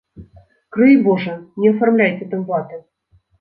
Крый божа, не афармляйце там ваты!